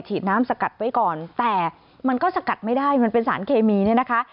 น้ำสกัดไว้ก่อนแต่มันก็สกัดไม่ได้มันเป็นสารเคมีเนี่ยนะคะ